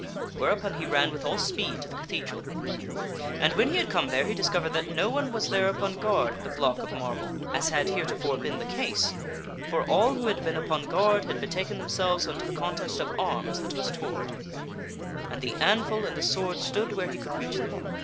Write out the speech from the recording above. Whereupon he ran with all speed to the cathedral. And when he had come there he discovered that no one was there upon guard at the block of marble, as had heretofore been the case, for all who had been upon guard had betaken themselves unto the contest of arms that was to Arthur draw war( ^' And the anvil and the sword stood where he could eth the sword reach them.